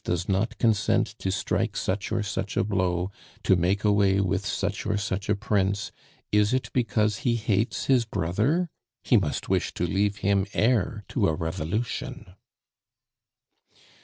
does not consent to strike such or such a blow, to make away with such or such a prince, is it because he hates his brother? He must wish to leave him heir to a revolution."